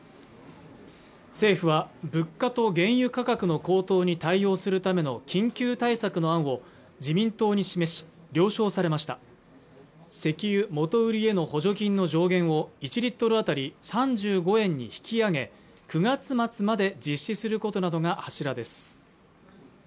政府は物価と原油価格の高騰に対応するための緊急対策の案を自民党に示し了承されました石油元売りへの補助金の上限を１リットル当たり３５円に引き上げ９月末まで実施することなどが柱です